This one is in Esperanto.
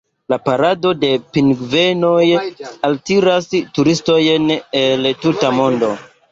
La parado de pingvenoj altiras turistojn el la tuta mondo.